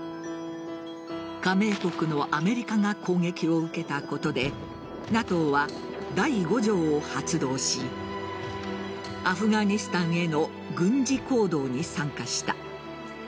加盟国のアメリカが攻撃を受けたことでＮＡＴＯは第５条を発動しアフガニスタンへの軍事行動に参加した。